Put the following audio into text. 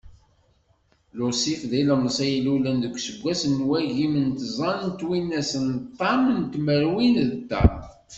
Lusif d ilemẓi i ilulen deg useggas n wagim d tẓa n twinas d ṭam n tmerwin d ṭam.